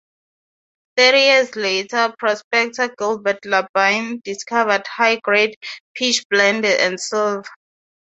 Thirty years later, a prospector Gilbert LaBine discovered high-grade pitchblende and silver.